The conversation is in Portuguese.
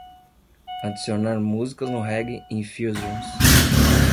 adicionar músicas no Reggae Infusions